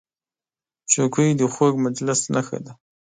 چوکۍ د خوږ مجلس نښه ده.